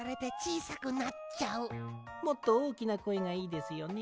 もっとおおきなこえがいいですよね？